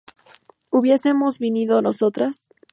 ¿hubiésemos vivido nosotras?